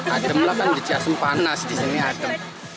adem lah kan di ciasung panas disini adem